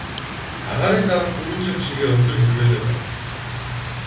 Агаарын даралт түрүүчийнх шигээ өндөр хэвээрээ байна.